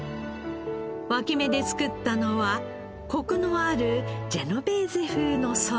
脇芽で作ったのはコクのあるジェノベーゼ風のソース。